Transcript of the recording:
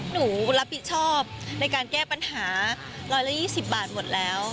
หนูรับผิดชอบในการแก้ปัญหา๑๒๐บาทหมดแล้ว